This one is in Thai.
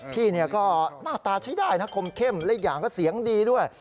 พี่ก็หน้าตาใช้ได้นะคมเข้มและอีกอย่างก็เสียงดีด้วย